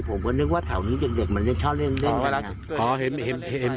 ผมก็นึกว่าแถวนี้เด็กเหมือนเล่นชอบเล่นใช่ไหมครับ